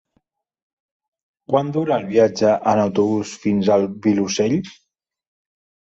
Quant dura el viatge en autobús fins al Vilosell?